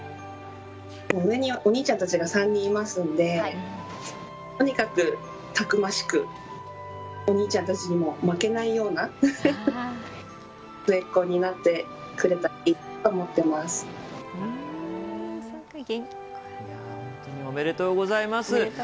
上にお兄ちゃんたちが３人いますのでとにかく、たくましくお兄ちゃんたちにも負けないような末っ子になってくれたらいいと本当におめでとうございます。